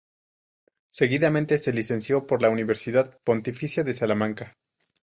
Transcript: Seguidamente se licenció por la Universidad Pontificia de Salamanca.